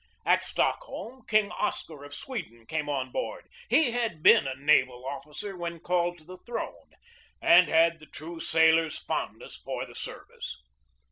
At Stockholm, King Oscar of Sweden came on board. He had been a naval officer when called to the throne, and had the true sailor's fond ness for the service.